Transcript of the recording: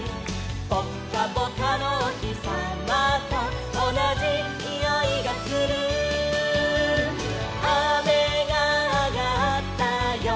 「ぽっかぽかのおひさまとおなじにおいがする」「あめがあがったよ」